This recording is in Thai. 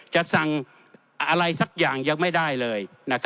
จะสั่งอะไรสักอย่างยังไม่ได้เลย